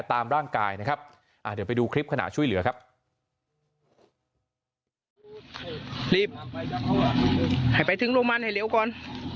ถึงโรงพยาบาลให้เหลียวก่อน